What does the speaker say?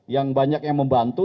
yang banyak yang membantu